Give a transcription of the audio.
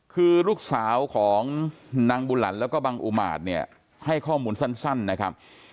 คือลูกสาวของนางบุหลันแล้วก็บังอุมาตเนี่ยให้ข้อมูลสั้นนะครับ